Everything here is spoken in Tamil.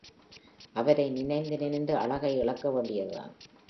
அவரை நினைந்து நினைந்து அழகை இழக்க வேண்டியதுதான்.